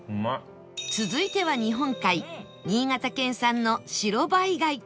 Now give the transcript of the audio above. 続いては日本海新潟県産の白バイ貝